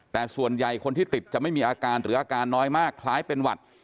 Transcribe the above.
แต่ส่วนใหญ่คนที่ติดจะไม่มีอาการหรืออาการน้อยมากคล้ายเป็นหวัด